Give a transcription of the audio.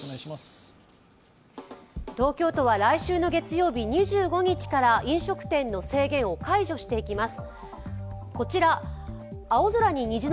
東京都は来週の月曜日、２５日から飲食店の制限を解除していきます。